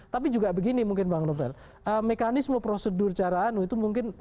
tapi juga begini mungkin bang novel mekanisme prosedur cara anu itu mungkin